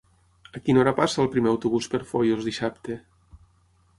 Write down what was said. A quina hora passa el primer autobús per Foios dissabte?